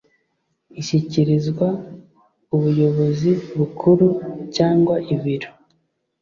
ishyikirizwa ubuyobozi bukuru cyangwa ibiro